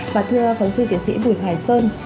và thưa giáo sư tiến sĩ bùi hoài sơn